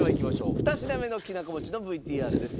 ２品目のきなこ餅のＶＴＲです。